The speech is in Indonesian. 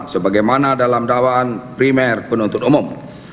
sebagai mana dalam dakwaan primer penonton umum